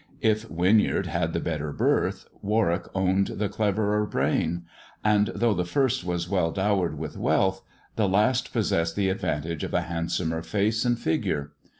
If Winyard had the better birth, Warwick owned the cleverer brain ; and though the first was well dowered with wealth, the last possessed the advantage of a handsomer face and figure.